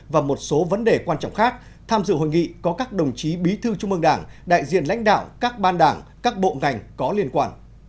và một số vấn đề quan trọng khác tham dự hội nghị có các đồng chí bí thư trung ương đảng đại diện lãnh đạo các ban đảng các bộ ngành có liên quan